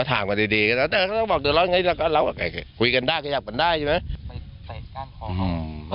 ถ้าอย่างนั้นเราก็ต้องถอนนะ